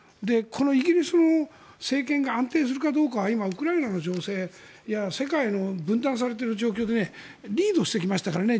イギリスの政権が安定するかどうかは今、ウクライナの情勢や世界の分断されている状況でリードしてきましたからね。